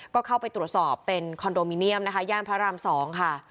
ก็เข้าไปตรวจสอบเป็นคอนโดมิเนียมนะคะย่านพระราม๒ค่ะ